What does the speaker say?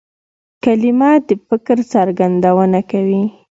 کلیمه د فکر څرګندونه کوي.